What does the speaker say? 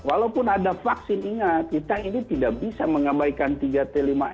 walaupun ada vaksin ingat kita ini tidak bisa mengabaikan tiga t lima m